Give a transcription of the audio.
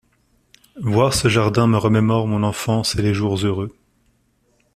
Voir ce jardin me remémore mon enfance et les jours heureux.